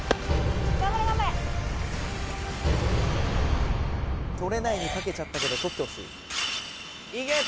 頑張れ頑張れ！捕れないに賭けちゃったけど捕ってほしいいけっ！